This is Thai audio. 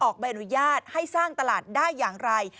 ใบอนุญาตให้สร้างตลาดได้อย่างไร